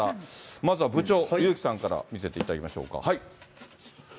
まずは部長、ゆうきさんから見せていただきましょうか。